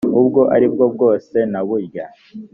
ubwo ari bwo bwose naburya